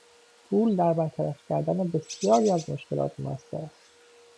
پول در برطرف کردن بسیاری از مشکلات موثر است.